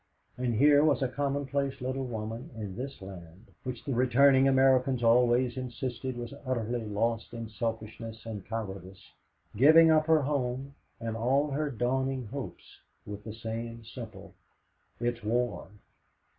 And here was a commonplace little woman in this land, which the returning Americans always insisted was utterly lost in selfishness and cowardice, giving up her home and all her dawning hopes, with the same simple, "It's war."